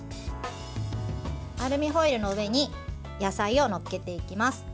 アルミホイルの上に野菜を載っけていきます。